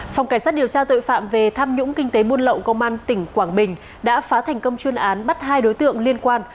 phòng cảnh sát điều tra tội phạm về tham nhũng kinh tế buôn lậu công an tỉnh quảng bình đã phá thành công chuyên án bắt hai đối tượng liên quan